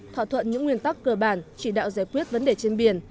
thỏa thuận những nguyên tắc cơ bản chỉ đạo giải quyết vấn đề trên biển